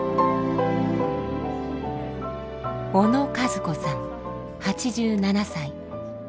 小野和子さん８７歳。